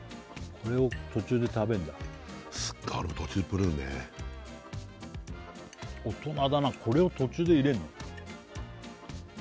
これを途中で食べんだ途中でプルーンね大人だなこれを途中で入れんの？